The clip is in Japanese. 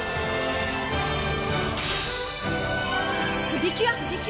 プリキュア！